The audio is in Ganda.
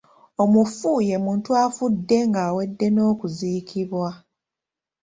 Omufu ye muntu afudde ng’awedde n’okuziikibwa.